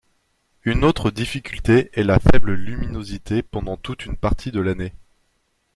Une autre difficulté est la faible luminosité pendant toute une partie de l'année.